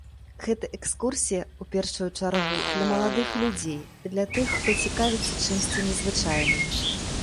Гэта экскурсія, у першую чаргу, для маладых людзей, для тых, хто цікавіцца чымсьці незвычайным.